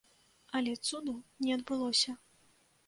Але цуду не адбылося.